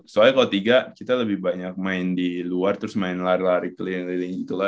soalnya kalau tiga kita lebih banyak main di luar terus main lari lari keliling keliling gitu lah